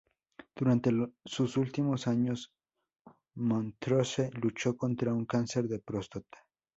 Durante sus últimos años Montrose luchó contra un cáncer de próstata.